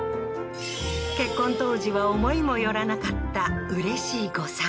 結婚当時は思いもよらなかったうれしい誤算